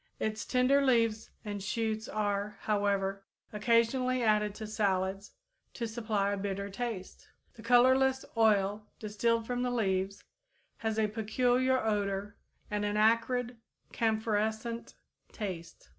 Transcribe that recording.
Its tender leaves and shoots are, however, occasionally added to salads, to supply a bitter taste. The colorless oil distilled from the leaves has a peculiar odor and an acrid, camphorescent taste.